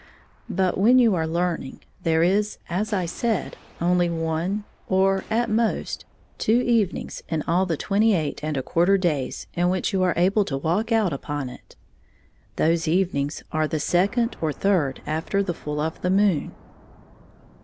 But when you are learning there is, as I said, only one or, at most, two evenings in all the twenty eight and a quarter days in which you are able to walk out upon it. Those evenings are the second or third after the full of the moon.